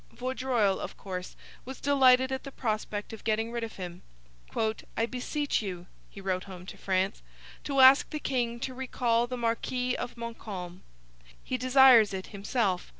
Vaudreuil, of course, was delighted at the prospect of getting rid of him: 'I beseech you,' he wrote home to France, 'to ask the king to recall the Marquis of Montcalm. He desires it himself.